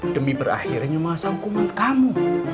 demi berakhirnya masa hukuman kamu